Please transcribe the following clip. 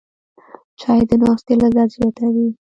چای د ناستې لذت زیاتوي